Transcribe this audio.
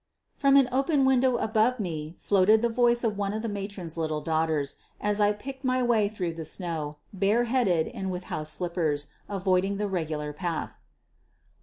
From an open window above me floated the voice of one of the matron's little daughters as I picked my way through the snow, bareheaded and with house slippers, avoiding the regular path.